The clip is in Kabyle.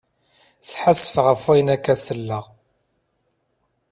Sḥassfeɣ ɣef ayen akka selleɣ.